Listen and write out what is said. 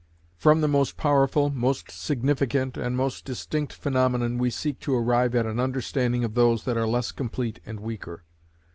From the most powerful, most significant, and most distinct phenomenon we seek to arrive at an understanding of those that are less complete and weaker.